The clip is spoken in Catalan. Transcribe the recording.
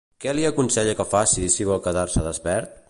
Què li aconsella que faci si vol quedar-se despert?